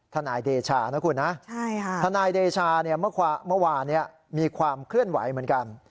ทนายเดชานะคุณนะทนายเดชาเมื่อวานมีความเคลื่อนไหวเหมือนกัน